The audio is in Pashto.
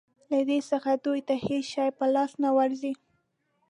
له دې څخه دوی ته هېڅ شی په لاس نه ورځي.